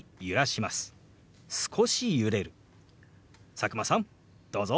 佐久間さんどうぞ！